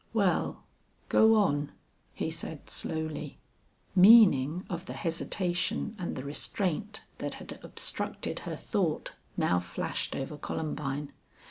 Well, go on," he said, slowly. Meaning of the hesitation and the restraint that had obstructed her thought now flashed over Columbine.